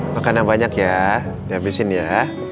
makan yang banyak ya dihabisin ya